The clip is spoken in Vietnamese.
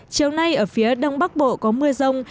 chiều nay ở phía đông bắc bộ có mưa rông